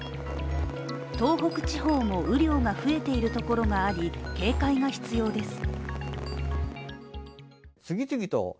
東北地方も雨量が増えている所があり警戒が必要です。